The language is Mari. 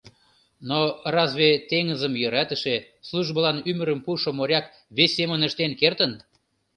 Но разве теҥызым йӧратыше, службылан ӱмырым пуышо моряк вес семын ыштен кертын.